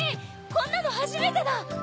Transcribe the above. こんなのはじめてだ！